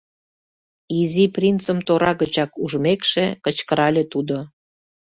— Изи принцым тора гычак ужмекше, кычкырале тудо.